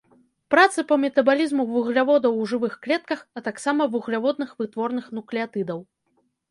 Працы па метабалізму вугляводаў ў жывых клетках, а таксама вугляводных вытворных нуклеатыдаў.